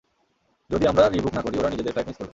যদি আমরা রি-বুক না করি, ওরা নিজেদের ফ্লাইট মিস করবে।